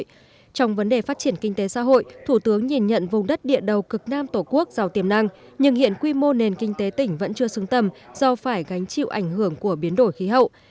trong vấn đề phát triển kinh tế xã hội thủ tướng nhìn nhận vùng đất địa đầu cực nam tổ quốc giàu tiềm năng nhưng hiện quy mô nền kinh tế tỉnh vẫn chưa xứng tầm do phải gánh chịu ảnh hưởng của biến đổi khí hậu